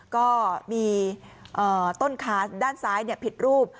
ก็มีต้นขาด้านซ้ายผิดรูป